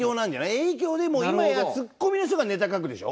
影響でもう今やツッコミの人がネタ書くでしょ？